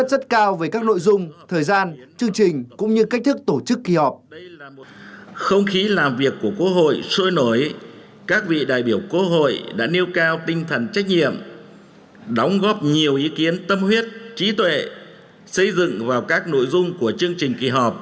các vị đại biểu của quốc hội đã nêu cao tinh thần trách nhiệm đóng góp nhiều ý kiến tâm huyết trí tuệ xây dựng vào các nội dung của chương trình kỳ họp